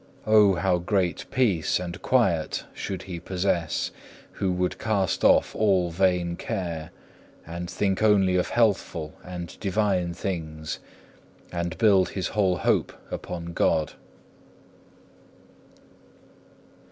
O how great peace and quiet should he possess, who would cast off all vain care, and think only of healthful and divine things, and build his whole hope upon God!